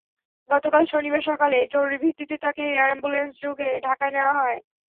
গতকাল শনিবার সকালে জরুরি ভিত্তিতে তাঁকে এয়ার অ্যাম্বুলেন্সযোগে ঢাকায় নেওয়া হয়।